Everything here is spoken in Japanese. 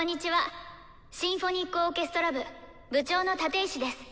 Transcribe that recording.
シンフォニックオーケストラ部部長の立石です。